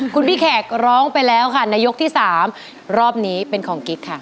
คุณพี่แขกร้องไปแล้วค่ะในยกที่๓รอบนี้เป็นของกิ๊กค่ะ